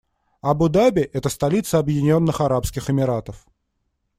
Абу-Даби - это столица Объединённых Арабских Эмиратов.